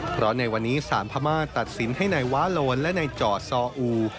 เพราะในวันนี้สารพม่าตัดสินให้นายวาโลนและนายจ่อซออู